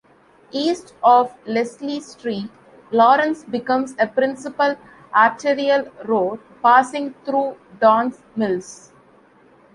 East of Leslie Street, Lawrence becomes a principal arterial road, passing through Don Mills.